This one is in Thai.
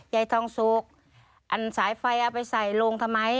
ยายทองสุกอันสายไฟเอาไปใส่ลงทำไม